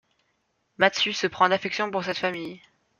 Matsu se prend d'affection pour cette famille.